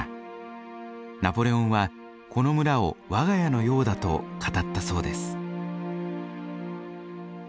ナポレオンはこの村を我が家のようだと語ったそうです。